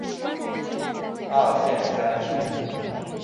二线三星。